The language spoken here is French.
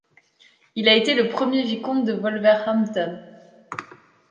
Il a été le premier vicomte de Wolverhampton.